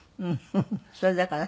それだから？